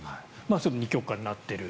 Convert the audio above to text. それも二極化になっている。